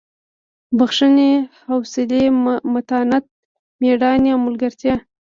بښنې حوصلې متانت مېړانې او ملګرتیا.